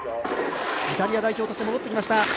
イタリア代表として戻ってきました。